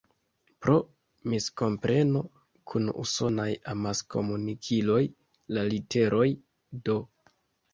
Pro miskompreno kun usonaj amaskomunikiloj, la literoj "D.